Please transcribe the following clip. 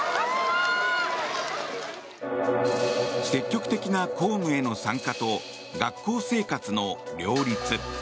積極的な公務への参加と学校生活の両立。